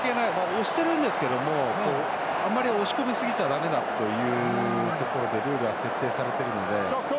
押しているんですけどあまり押し込みすぎちゃだめだというところでルールは設定されてるので。